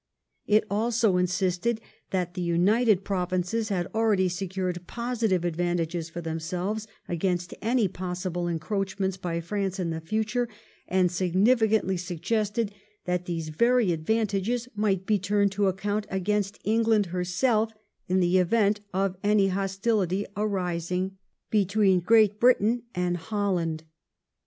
It also insisted that the United Provinces had already secured positive advantages for themselves against any possible encroachments by France in the future, and significantly suggested that these very advantages might be turned to account against England herself in the event of any hostility arising between Great Britain and Holland.